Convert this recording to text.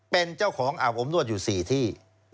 เป็นเจ้าของอาบอบนวดอยู่๔ที่